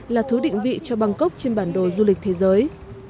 là thứ định vị cho bangkok trên bản đồ du lịch thế giới